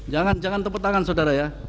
jangan jangan tepuk tangan saudara ya